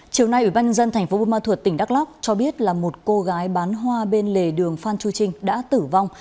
chiều nay ủy ban nhân dân tp bunma thuộc tỉnh đắk lóc cho biết là một cô gái bán hoa bên lề đường phan chu trinh đã tử vong